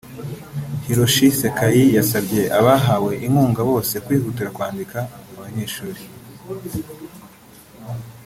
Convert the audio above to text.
Hiroshi Sekai yasabye abahawe inkunga bose kwihutira kwandika abanyeshuri